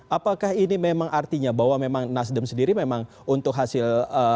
apakah ini memang artinya bahwa memang nasdem sendiri memang untuk hasil